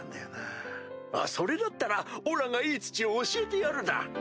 それだったらオラがいい土を教えてやるだ！